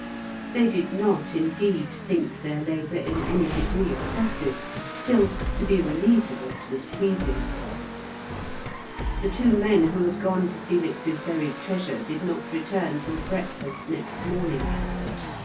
They did not, indeed, think their labour in any degree oppressive; still, to be relieved of it was pleasing. The two men who had gone for Felix's buried treasure did not return till breakfast next morning.